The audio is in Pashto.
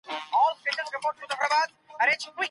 دغه کڅوڼه زما ملګري ته ډالۍ کړه.